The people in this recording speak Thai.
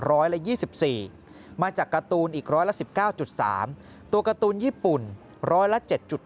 ร้อยละ๒๔มาจากการ์ตูนอีกร้อยละ๑๙๓ตัวการ์ตูนญี่ปุ่นร้อยละ๗๘